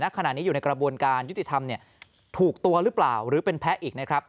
ขณะนี้อยู่ในกระบวนการยุติธรรมถูกตัวหรือเปล่าหรือเป็นแพ้อีกนะครับ